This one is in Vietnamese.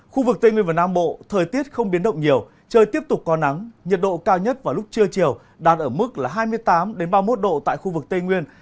khu vực tây nguyên và nam bộ thời tiết không biến động nhiều trời tiếp tục có nắng nhiệt độ cao nhất vào lúc trưa chiều đạt ở mức hai mươi tám ba mươi một độ tại khu vực tây nguyên